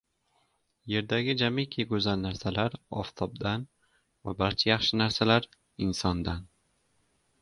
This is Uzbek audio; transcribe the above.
Erdagi jamiki go‘zal narsalar – oftobdan va barcha yaxshi narsalar – insondan.